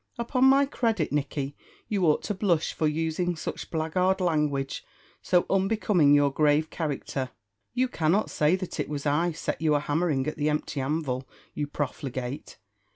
Upon my credit, Nicky, you ought to blush for using such blackguard language, so unbecoming your grave character. You cannot say that it was I set you a hammering at the empty anvil, you profligate.